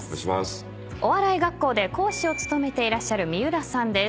お笑い学校で講師を務めてらっしゃる三浦さんです。